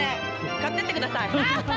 買ってってください。